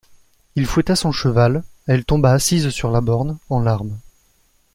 Il fouetta son cheval, elle tomba assise sur la borne, en larmes.